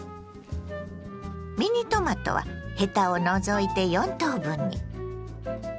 ミニトマトはヘタを除いて４等分に。